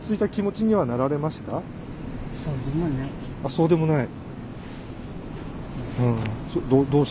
そうでもない？